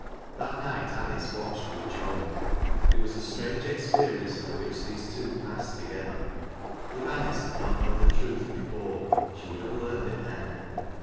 That night Anice watched with Joan. It was a strange experience through which these two passed together. If Anice had not known the truth before, she would have learned it then.